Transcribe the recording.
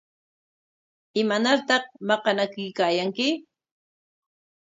¿Imanartaq maqanakuykaayanki?